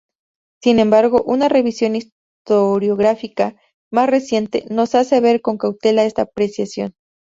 Sin embargo un revisión historiográfica más reciente nos hace ver con cautela esta apreciación.